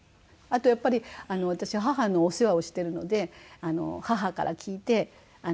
あとやっぱり私母のお世話をしてるので母から聞いて。